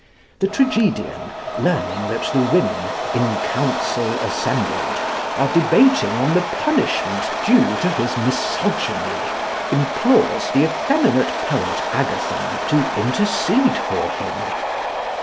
The tragedian, learning that the women in council assembled are debating on the punishment due to his misogyny, implores the effeminate poet Agathon to intercede for him.